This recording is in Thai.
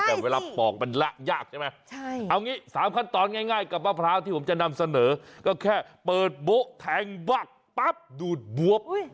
แต่เวลาปอกมันละยากใช่ไหมเอางี้๓ขั้นตอนง่ายกับมะพร้าวที่ผมจะนำเสนอก็แค่เปิดโบ๊ะแทงวักปั๊บดูดบวบ